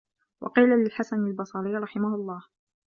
وَقِيلَ لِلْحَسَنِ الْبَصْرِيِّ رَحِمَهُ اللَّهُ